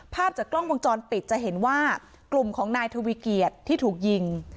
ภาพจากกล้องวงจรปิดจะเห็นว่ากลุ่มของนายทวีเกียจที่ถูกยิง